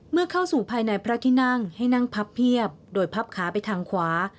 เมื่อเข้าสู่ภายในพระที่นั่งให้นั่งพับเพียบโดยพับขาไปทางขวา